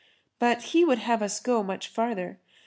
But he would have us go much further.